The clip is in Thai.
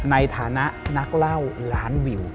ในฐานะนักเล่าล้านวิว